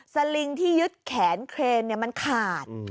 สลิงที่ยึดแขนเครนมันขาด